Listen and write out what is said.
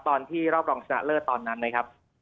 ตอนที่รอบรองชนะเลิศตอนนั้นนะครับ